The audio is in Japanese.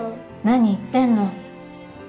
何言ってんの！